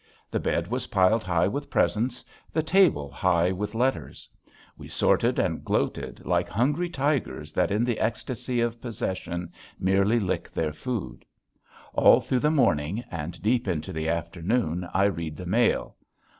The bed was piled high with presents, the table high with letters. We sorted and gloated like hungry tigers that in the ecstasy of possession merely lick their food. All through the morning and deep into the afternoon I read the mail.